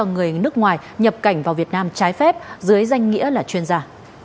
ngoài nhập cảnh vào việt nam trái phép dưới danh nghĩa là chuyên gia